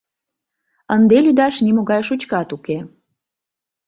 Ынде лӱдаш нимогай шучкат уке...